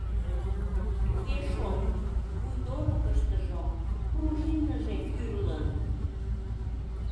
— Туге шол, вуйдорыкыштыжо пружиныже кӱрлын.